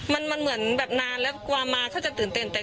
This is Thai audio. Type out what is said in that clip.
มันเหมือนแบบนานแล้วกลัวมาเขาจะตื่นเต้นแต่